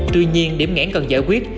tuy nhiên điểm ngãn cần giải quyết